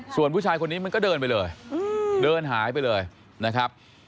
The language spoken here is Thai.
ส่วนผู้ชายคนนี้มันก็เดินไปเลยเดินหายไปเลยนะครับ